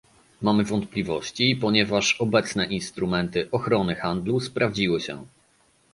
Mamy wątpliwości, ponieważ obecne instrumenty ochrony handlu sprawdziły się